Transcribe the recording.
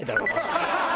ハハハハ！